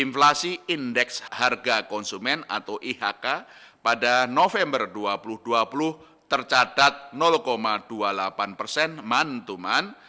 inflasi indeks harga konsumen atau ihk pada november dua ribu dua puluh tercatat dua puluh delapan persen mont to mon